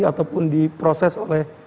ataupun diproses oleh